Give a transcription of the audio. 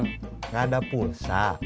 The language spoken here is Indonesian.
tidak ada pulsa